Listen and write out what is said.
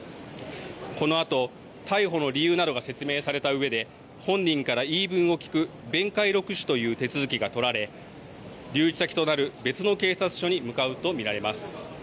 このあと逮捕の理由などが説明されたうえで本人から言い分を聞く弁解録取という手続きが取られ留置先となる別の警察署に向かうと見られます。